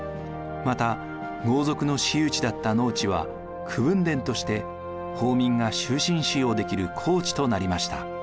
また豪族の私有地だった農地は口分田として公民が終身使用できる公地となりました。